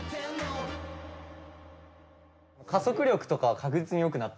加速力とかは確実に良くなったと思います。